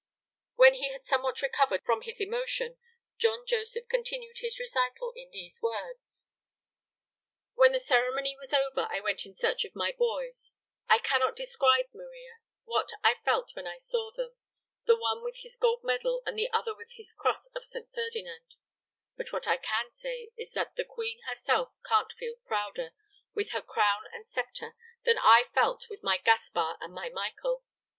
When he had somewhat recovered from his emotion, John Joseph continued his recital in these words: "When the ceremony was over I went in search of my boys. I cannot describe, Maria, what I felt when I saw them, the one with his gold medal and the other with his cross of St. Ferdinand. But what I can say is that the queen herself can't feel prouder, with her crown and sceptre, than I felt with my Gaspar and my Michael!